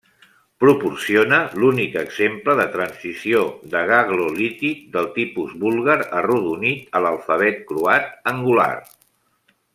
Proporciona l'únic exemple de transició de glagolític del tipus búlgar arrodonit a l'alfabet croat angular.